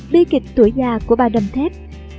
bi kịch tuổi già của bà đâm thép